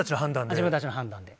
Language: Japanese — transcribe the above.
自分たちの判断で。